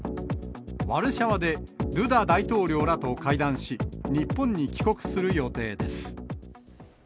ワルシャワでドゥダ大統領らと会談し、日本に帰国する予定です。